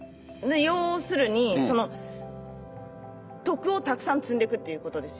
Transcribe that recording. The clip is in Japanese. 要するにその徳をたくさん積んでいくっていうことですよね？